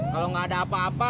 kalau nggak ada apa apa